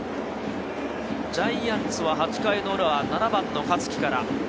ジャイアンツは８回の裏は７番の香月から。